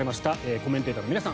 コメンテーターの皆さん